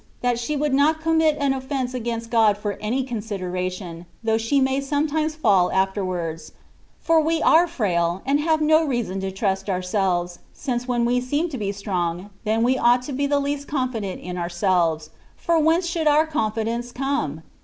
that she would not commit an offienoe against God for any consideration, though she may sometimes &11 afterwards (for we are frvfl^ and have no reason to trust ourselves, since when we'seem to be strong, then we ought to be the least confident in ourselves; for whence should our confidence come